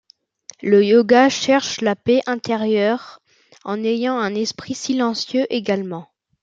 Le yoga cherche la paix intérieure en ayant un esprit silencieux également.